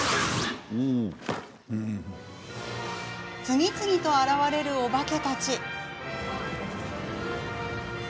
次々と現れるおばけたち。